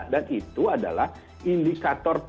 dan itu adalah indikator